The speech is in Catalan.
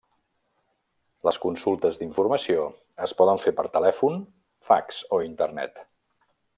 Les consultes d'informació es poden fer per telèfon, fax o Internet.